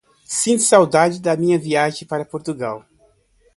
Sinto saudades da minha viagem para Portugal.